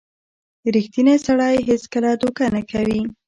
• ریښتینی سړی هیڅکله دوکه نه کوي.